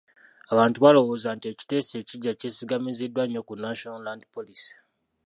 Abantu balowooza nti ekiteeso ekiggya kyesigamiziddwa nnyo ku National Land Policy.